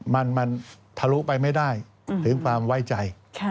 มันทะลุไปไม่ได้ถึงความไว้ใจ